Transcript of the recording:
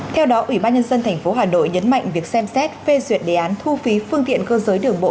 theo đó ubnd tp hà nội nhấn mạnh việc xem xét phê duyệt đề án thu phí phương tiện cơ giới đường bộ